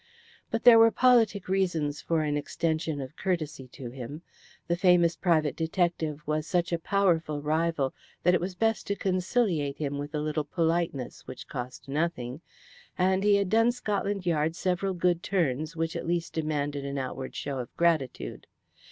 But there were politic reasons for the extension of courtesy to him. The famous private detective was such a powerful rival that it was best to conciliate him with a little politeness, which cost nothing, and he had done Scotland Yard several good turns which at least demanded an outward show of gratitude.